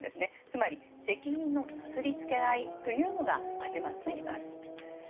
つまり、責任のなすりつけ合いというのが始まっています。